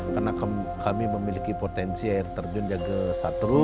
karena kami memiliki potensi air terjun yang kesatru